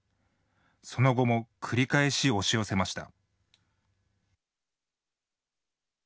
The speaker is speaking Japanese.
その後も繰り返し押し寄せました。